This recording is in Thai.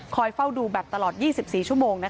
คอยเฝ้าดูแบบตลอด๒๔ชั่วโมงนะคะ